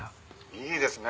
「いいですね